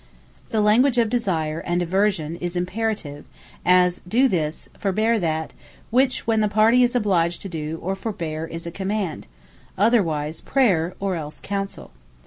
The language of Desire, and Aversion, is Imperative; as, Do This, Forbear That; which when the party is obliged to do, or forbear, is Command; otherwise Prayer; or els Counsell.